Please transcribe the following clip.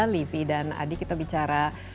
livi dan adi kita bicara